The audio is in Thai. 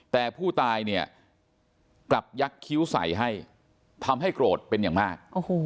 แต่ผู้ตายเนี่ยกลับยักษ์คิ้วใส่ให้ทำให้โกรธเป็นอย่างมาก